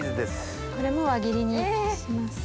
これも輪切りにします。